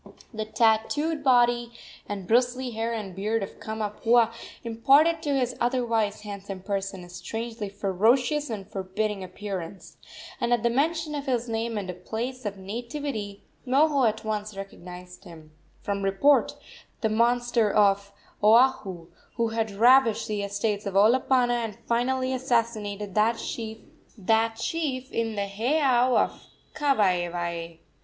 The tattooed body and bristly hair and beard of Kamapuaa imparted to his otherwise handsome person a strangely ferocious and forbidding appearance, and at the mention of his name and place of nativity Moho at once recognized in him, from report, the monster of Oahu, who had ravaged the estates of Olopana and finally assassinated that chief in the heiau of Kawaewae.